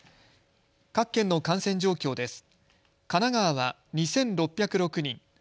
各県の感染状況です。